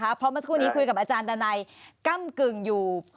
เพราะเมื่อสักครู่นี้คุยกับอาจารย์ดานัยกำกึ่งอยู่